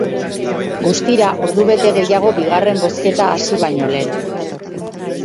Guztira, ordubete gehiago bigarren bozketa hasi baino lehen.